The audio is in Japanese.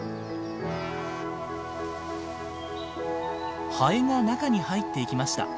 ハエが中に入っていきました。